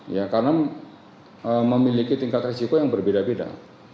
ya karena memiliki tingkat risiko yang berbeda beda